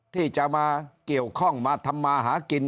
ที่จะมาเกี่ยวข้องมาทำมาหากิน